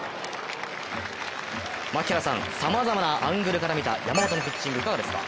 槙原さん、さまざまなアングルから見た山本のピッチング、いかがですか？